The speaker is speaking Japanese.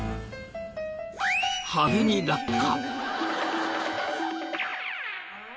派手に落下！